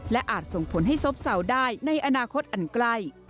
และอาจส่งผลให้ซบเศร้าได้ในอนาคตอันใกล้